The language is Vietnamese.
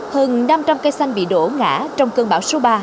hơn năm trăm linh cây xanh bị đổ ngã trong cơn bão số ba